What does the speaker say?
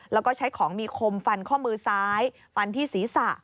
แล้วก็ใช้ของมีคมฟันข้อมือซ้ายฟันที่ศีรษะ